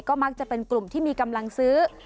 ก็มักจะเป็นกลุ่มที่มีกำลังซื้อ